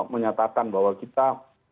menyatakan bahwa kita